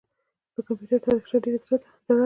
د کمپیوټر تاریخچه ډېره زړه ده.